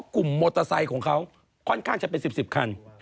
กลุ่มมอเตอร์ไซค์ของเขาค่อนข้างจะเป็น๑๐คัน